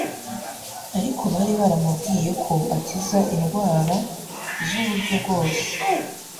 Ariko bari baramubwiye ko akiza indwara z'uburyo bwose,